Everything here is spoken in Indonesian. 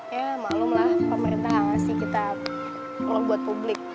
ya malum lah pemerintah gak ngasih kita ular buat publik